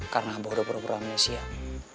karena abah udah beramal siap